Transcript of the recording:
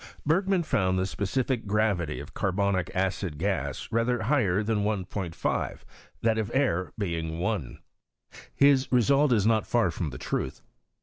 Bergman found the specific gravity of carbonic acid gas rather high er than 1 5, that of air being 1. His result is not! far from the truth.